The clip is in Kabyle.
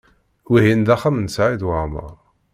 Wihin d axxam n Saɛid Waɛmaṛ.